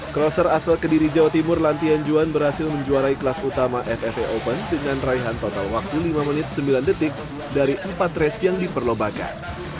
kroser asal kediri jawa timur lantian juan berhasil menjuarai kelas utama ffa open dengan raihan total waktu lima menit sembilan detik dari empat race yang diperlobakan